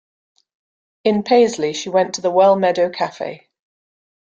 In Paisley, she went to the Wellmeadow Café.